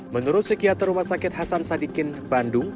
menurut psikiater rumah sakit hasan sadikin bandung